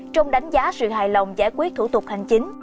trong đánh giá sự hài lòng giải quyết thủ tục hành chính